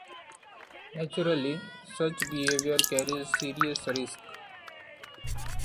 Naturally, such behavior carries serious risk.